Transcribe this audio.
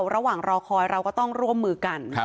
ระหว่างรอคอยเราก็ต้องร่วมมือกัน